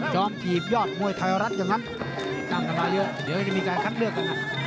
ถีบยอดมวยไทยรัฐอย่างนั้นตั้งกันมาเยอะเดี๋ยวจะมีการคัดเลือกกัน